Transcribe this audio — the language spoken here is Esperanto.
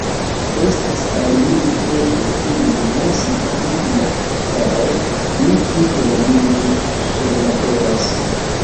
Estas al mi neeble ilin lasi pli malkare; mi tute nenion perlaboras.